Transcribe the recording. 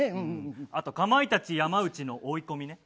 あとかまいたち山内の追い込みね。